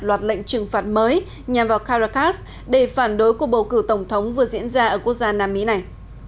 lệnh trừng phạt mới nhằm vào caracas để phản đối cuộc bầu cử tổng thống vừa diễn ra ở quốc gia nam mỹ này